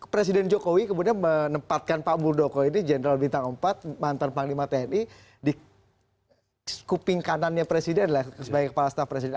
presiden jokowi kemudian menempatkan pak muldoko ini general bintang empat mantan panglima tni di kuping kanannya presiden lah sebagai kepala staf presiden